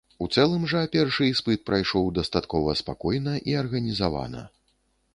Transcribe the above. У цэлым жа першы іспыт прайшоў дастаткова спакойна і арганізавана.